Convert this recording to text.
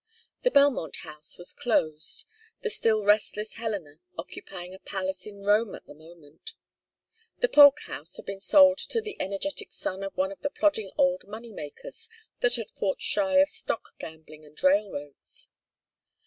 The Belmont house was closed, the still restless Helena occupying a palace in Rome at the moment. The Polk house had been sold to the energetic son of one of the plodding old money makers that had fought shy of stock gambling and railroads.